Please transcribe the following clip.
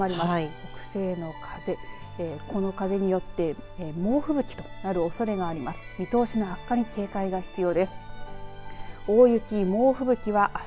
北西の風、この風によって猛吹雪となるおそれがあります。